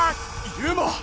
ユウマ！